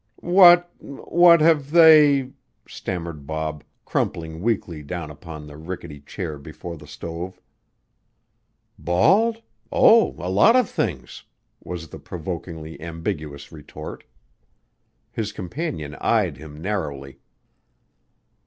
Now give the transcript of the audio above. "What what have they " stammered Bob, crumpling weakly down upon the rickety chair before the stove. "Bawled? Oh, a lot of things," was the provokingly ambiguous retort. His companion eyed him narrowly.